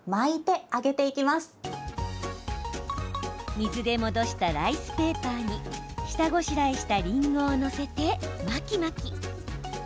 水で戻したライスペーパーに下ごしらえした、りんごを載せて巻き巻き。